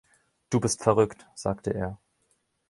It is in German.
„Du bist verrückt“, sagte er.